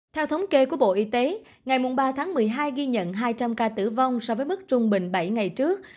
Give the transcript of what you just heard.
theo thống kê của bộ y tế ngày ba tháng một mươi hai ghi nhận hai trăm linh ca tử vong so với mức trung bình bảy ngày trước